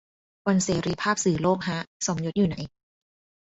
วันเสรีภาพสื่อโลกฮะ สมยศอยู่ไหน